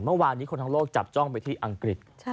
เมื่อวานนี้คนทั้งโลกจับจ้องไปที่อังกฤษ